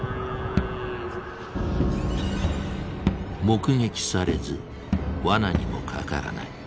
目撃されずワナにもかからない。